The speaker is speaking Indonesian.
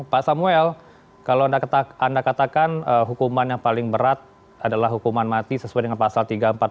pak samuel kalau anda katakan hukuman yang paling berat adalah hukuman mati sesuai dengan pasal tiga ratus empat puluh